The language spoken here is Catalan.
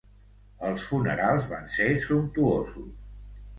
Els funerals van ser sumptuosos.